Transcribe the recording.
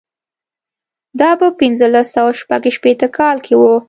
دا په پنځلس سوه شپږ شپېته کال کې و.